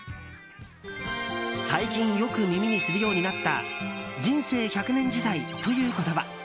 最近よく耳にするようになった人生１００年時代という言葉。